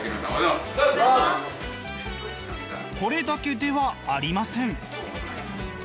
これだけではありません。